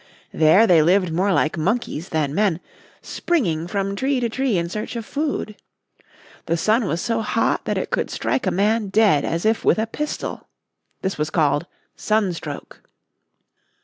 There they lived more like monkeys than men, springing from tree to tree in search of food. The sun was so hot that it could strike a man dead as if with a pistol. This was called sunstroke.